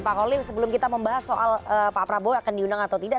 pak kolil sebelum kita membahas soal pak prabowo akan diundang atau tidak